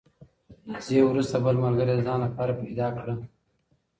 نازیې وروسته بله ملګرې د ځان لپاره پیدا کړه.